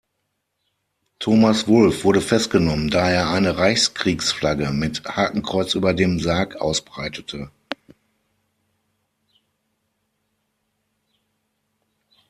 Thomas Wulff wurde festgenommen, da er eine Reichskriegsflagge mit Hakenkreuz über dem Sarg ausbreitete.